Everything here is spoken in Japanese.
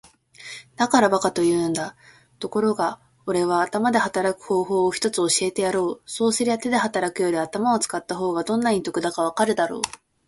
「だから馬鹿と言うんだ。ところがおれは頭で働く方法を一つ教えてやろう。そうすりゃ手で働くより頭を使った方がどんなに得だかわかるだろう。」